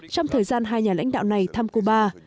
trong thời gian hai nhà lãnh đạo này thăm cuba